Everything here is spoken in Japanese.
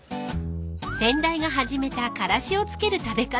［先代が始めたからしを付ける食べ方］